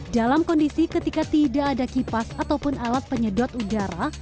dalam kondisi ketika tidak ada kipas ataupun alat penyedot udara